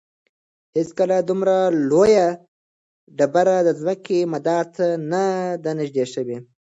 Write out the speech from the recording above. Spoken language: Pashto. هیڅکله دومره لویه ډبره د ځمکې مدار ته نه ده نږدې شوې.